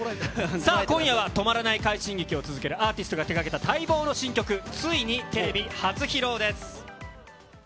さあ、今夜は、止まらない快進撃を続けるアーティストが手がけた待望の新曲、ついにテレビ初披露です。